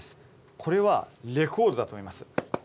これはレコードだと思います。